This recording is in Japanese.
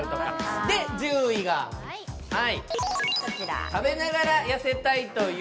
で、１０位が、食べながら痩せたいという。